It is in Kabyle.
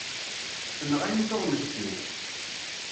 Tenɣa-yi tuɣmest-iw.